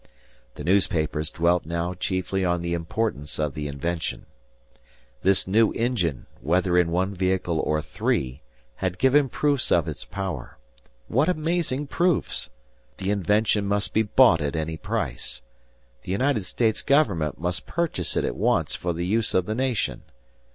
The newspapers dwelt now chiefly on the importance of the invention. This new engine, whether in one vehicle or three, had given proofs of its power. What amazing proofs! The invention must be bought at any price. The United States government must purchase it at once for the use of the nation.